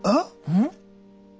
うん？